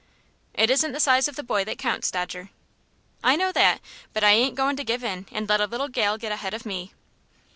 "It isn't the size of the boy that counts, Dodger." "I know that, but I ain't goin' to give in, and let a little gal get ahead of me!"